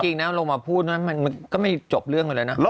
จริงน้ำลงมาพูดมันก็ไม่จบเรื่องเลยนะครับ